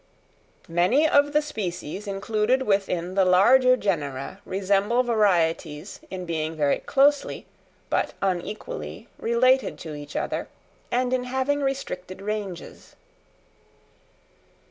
_Many of the Species included within the Larger Genera resemble Varieties in being very closely, but unequally, related to each other, and in having restricted ranges.